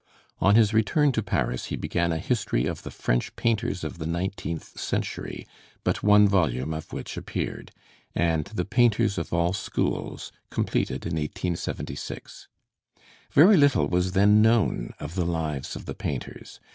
On his return to Paris he began a history of the 'French Painters of the Nineteenth Century,' but one volume of which appeared; and the 'Painters of All Schools,' completed in 1876. Very little was then known of the lives of the painters.